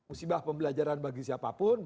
usibah pembelajaran bagi siapapun